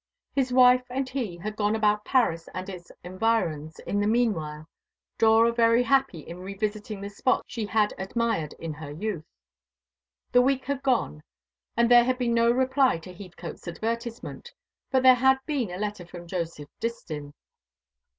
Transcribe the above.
His wife and he had gone about Paris and its environs in the mean while; Dora very happy in revisiting the spots she had admired in her youth. The week had gone, and there had been no reply to Heathcote's advertisement. But there had been a letter from Joseph Distin.